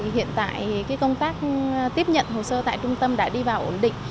hiện tại công tác tiếp nhận hồ sơ tại trung tâm đã đi vào ổn định